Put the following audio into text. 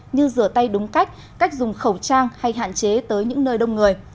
như rửa tay đúng cách cách dùng khẩu trang hay hạn chế tới những nơi đông người